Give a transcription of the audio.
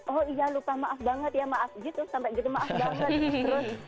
oh iya lupa maaf banget ya maaf gitu sampai gitu maaf banget